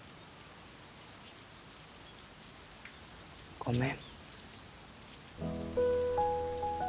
ごめん。